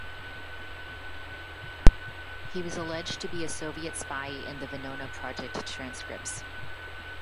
He was alleged to be a Soviet spy in the Venona Project transcripts.